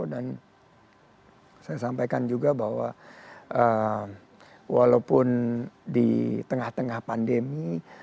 dan saya sampaikan juga bahwa walaupun di tengah tengah pandemi